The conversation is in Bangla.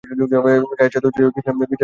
গায়ে চাদর জড়িয়ে বিছানায় বসে আছেন।